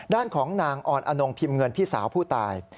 ด้านของนางอ่อนอนงพิมพ์เงินพี่สาวผู้ตาย